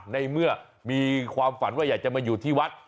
ในเมื่อมีความฝันว่าอยากจะมาอยู่ที่วัด